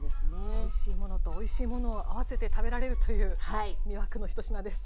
おいしいものとおいしいものを合わせて食べられるという魅惑の一品です。